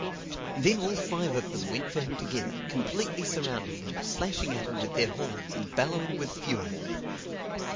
Then all five of them went for him together, completely surrounding him, slashing at him with their horns and bellowing with fury.